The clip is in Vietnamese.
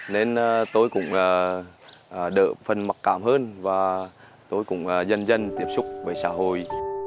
nên tôi cũng đỡ phần mặc cảm hơn và tôi cũng dần dần tiếp xúc với xã hội